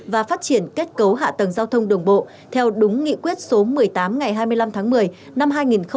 và phát triển kết cấu hạ tầng giao thông đường bộ theo đúng nghị quyết số một mươi tám ngày hai mươi năm tháng một mươi năm hai nghìn một mươi bảy